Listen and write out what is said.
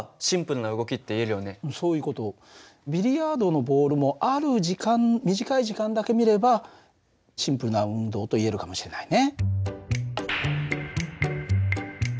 ビリヤードのボールもある時間短い時間だけ見ればシンプルな運動といえるかもしれないね。